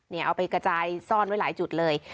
เอาไปกระจายซ่อนไว้หลายจุดเลย